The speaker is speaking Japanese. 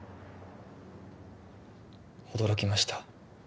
驚きました。